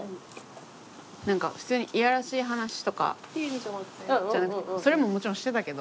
何か普通にいやらしい話とかそれももちろんしてたけど。